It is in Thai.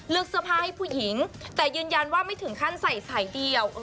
เสื้อผ้าให้ผู้หญิงแต่ยืนยันว่าไม่ถึงขั้นใส่สายเดียว